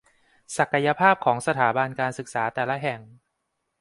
ศักยภาพของสถาบันการศึกษาแต่ละแห่ง